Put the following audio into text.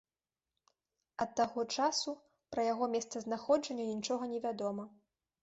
Ад таго часу пра яго месцазнаходжанне нічога невядома.